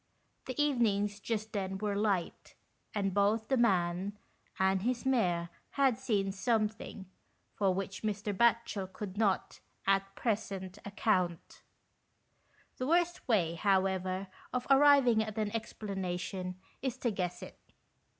The evenings just then were light, and both the man and his mare had seen* something for which Mr. Batchel could not, at present, account. The worst way, however, of arriving at an explanation is to guess it.